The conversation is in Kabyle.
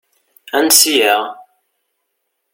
Ansi-aɣ?